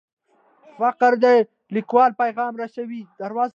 فقره د لیکوال پیغام رسوي.